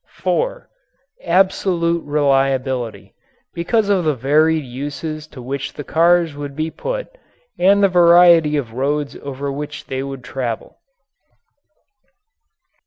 (4) Absolute reliability because of the varied uses to which the cars would be put and the variety of roads over which they would travel.